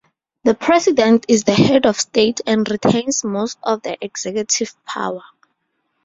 The President is the head of state and retains most of the executive power.